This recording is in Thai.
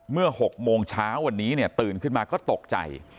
เมื่อ๖โมงเช้าวันนี้เนี่ยตื่นขึ้นมาก็ตกใจ